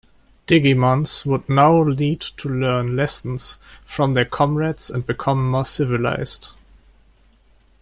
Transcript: Digimons would now need to learn lessons from their comrades and become more civilized.